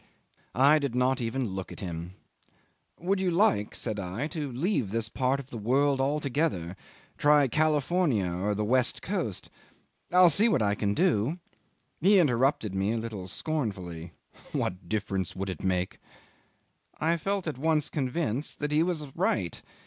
I did not even look at him. "Would you like," said I, "to leave this part of the world altogether; try California or the West Coast? I'll see what I can do ..." He interrupted me a little scornfully. "What difference would it make?" ... I felt at once convinced that he was right.